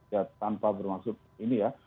ya tanpa bermaksud ini ya